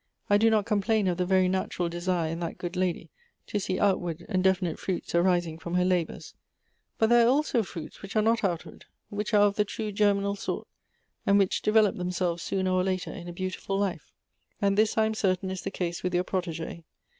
I do not complain of the very natural desire in that good lady to see outward and definite fruits arising from her labors. But there are also fruits which are not outward, which are of the true germinal sort, and which develop themselves sooner or later in a beautiful life. And this I am certain is the case with your protegee.